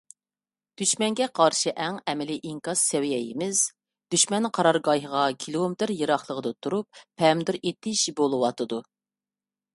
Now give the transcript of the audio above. دۈشمەنگە قارشى ئەڭ ئەمەلىي ئىنكاس سەۋىيەمىز دۈشمەن قارارگاھىغا كىلومېتىر يىراقلىقىدا تۇرۇپ «پەمىدۇر ئېتىش» بولۇۋاتىدۇ.